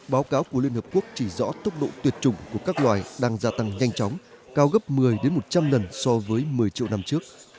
báo cáo của liên hợp quốc chỉ rõ tốc độ tuyệt chủng của các loài đang gia tăng nhanh chóng cao gấp một mươi một trăm linh lần so với một mươi triệu năm trước